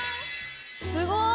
すごい！